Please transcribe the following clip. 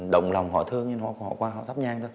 động lòng họ thương